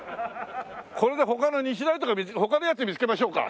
これで他の日大とか他のやつ見つけましょうか。